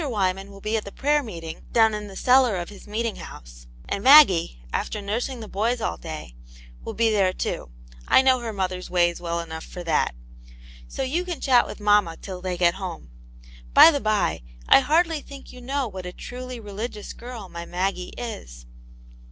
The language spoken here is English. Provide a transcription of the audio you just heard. Wyman will be at the prayer meetingi down in the cellar of his meeting house, and Maggie,: after nursing the boys all day, will be there, too ; I know her mother's ways well enough for that. So: you can chat with mamma till they get home. By the by, I hardly think you know what a truly reli^ gious girl my Maggie is."